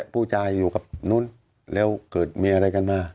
ผู้ชายอยู่กับนู้นแล้วเกิดมีอะไรกันมา